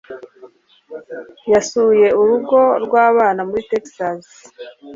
Yasuye urugo rwabana muri Texas.